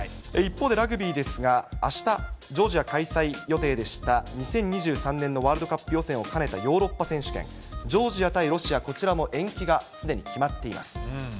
一方で、ラグビーですが、あした、ジョージア開催予定でした２０２３年のワールドカップ予選を兼ねたヨーロッパ選手権、ジョージア対ロシア、こちらも延期がすでに決まっています。